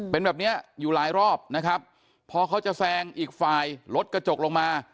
เป็นแบบเนี้ยอยู่หลายรอบนะครับพอเขาจะแซงอีกฝ่ายรถกระจกลงมา